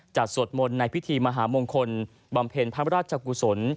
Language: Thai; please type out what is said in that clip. สวดมนต์ในพิธีมหามงคลบำเพ็ญพระราชกุศล